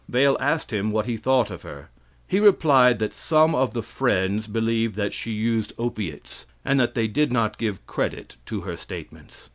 Vale asked him what he thought of her. He replied that some of the Friends believed that she used opiates, and that they did not give credit to her statements.